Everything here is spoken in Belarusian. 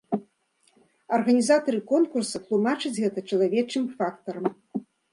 Арганізатары конкурса тлумачаць гэта чалавечым фактарам.